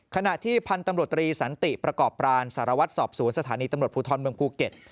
ขณะที่พันธุ์ตำรวจตรีสันติประกอบปรานสารวัตรสอบสวนสถานีตำรวจภูทรเมืองภูเก็ต